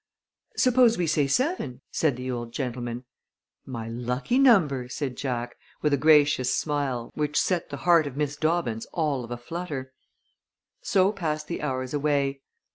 "Suppose we say seven?" said the old gentleman. "My lucky number," said Jack, with a gracious smile, which set the heart of Miss Dobbins all of a flutter. So passed the hours away.